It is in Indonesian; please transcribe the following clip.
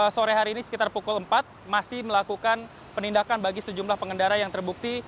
sore hari ini sekitar pukul empat masih melakukan penindakan bagi sejumlah pengendara yang terbukti